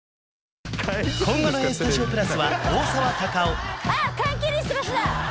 今後の「ＡＳＴＵＤＩＯ＋」は大沢たかおあっ缶けりした場所だ！